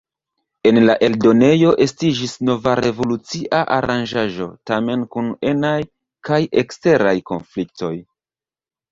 En la eldonejo estiĝis nova revolucia aranĝaĵo, tamen kun enaj kaj eksteraj konfliktoj.